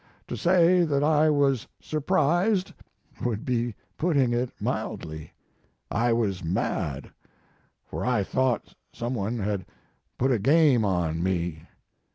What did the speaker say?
To say that I was surprised would be putting it mildly. I was mad, for I thought some one had put up a game on me.